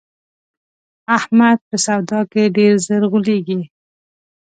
احمد په سودا کې ډېر زر غولېږي.